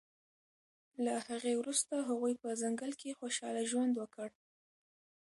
له هغې وروسته هغوی په ځنګل کې خوشحاله ژوند وکړ